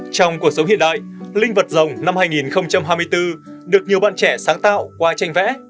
trong cuộc sống hiện đại linh vật rồng năm hai nghìn hai mươi bốn được nhiều bạn trẻ sáng tạo qua tranh vẽ